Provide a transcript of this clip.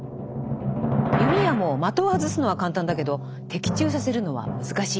弓矢も的を外すのは簡単だけど的中させるのは難しい。